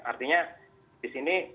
artinya disini bisa jadi